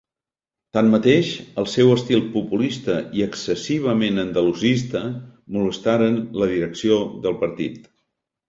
Tanmateix, el seu estil populista i excessivament andalusista molestaren la direcció del partit.